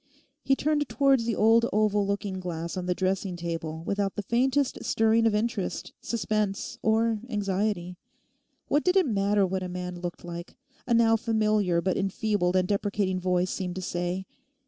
He turned towards the old oval looking glass on the dressing table without the faintest stirring of interest, suspense, or anxiety. What did it matter what a man looked like—a now familiar but enfeebled and deprecating voice seemed to say.